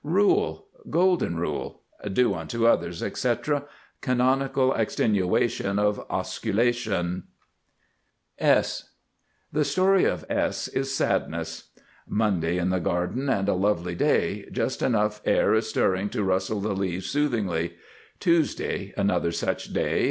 RULE, Golden Rule. "Do unto others," etc. Canonical extenuation of Osculation. S [Illustration: S] The story of S is Sadness. Monday in the Garden and a lovely day. Just enough air stirring to rustle the leaves soothingly. Tuesday, another such day.